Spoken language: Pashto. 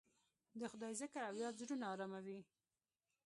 د خدای ذکر او یاد زړونه اراموي.